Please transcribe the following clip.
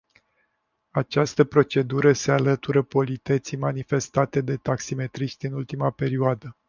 Această procedură se alătură politeții manifestate de taximetriști în ultima perioadă.